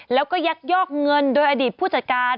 แล้วก็ยักยอกเงินโดยอดีตผู้จัดการ